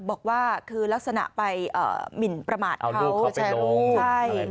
บอกว่าคือลักษณะไปหมินประมาณเขาเอาลูกเขาไปลง